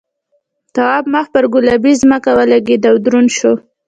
تواب مخ پر گلابي ځمکه ولگېد او دروند شو.